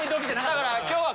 だから今日は。